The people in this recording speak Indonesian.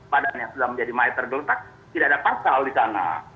badan yang sudah menjadi mayat tergeletak tidak ada pasal di sana